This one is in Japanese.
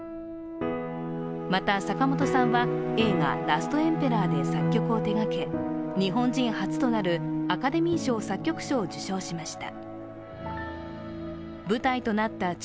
また、坂本さんは映画「ラストエンペラー」で作曲を手がけ日本人初となるアカデミー賞作曲賞を受賞しました。